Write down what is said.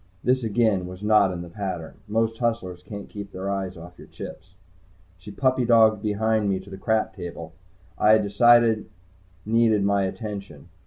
This again was not in the pattern. Most hustlers can't keep their eyes off your chips. She puppy dogged behind me to the crap table I had decided needed my attention.